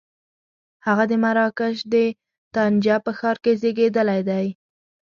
هغه د مراکش د طنجه په ښار کې زېږېدلی دی.